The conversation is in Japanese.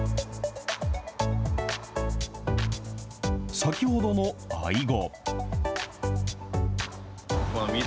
先ほどのアイゴ。